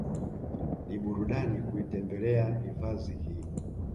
Ni burudani kuitembelea hifadhi hii